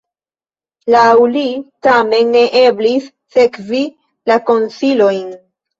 Laŭ li tamen ne eblis sekvi la konsilojn.